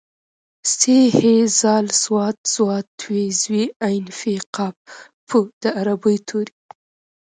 ث ح ذ ص ض ط ظ ع ف ق په د عربۍ توري